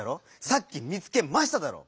「さっきみつけました」だろ！